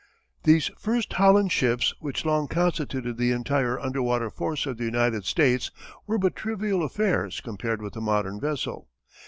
These first Holland ships which long constituted the entire underwater force of the United States were but trivial affairs compared with the modern vessel.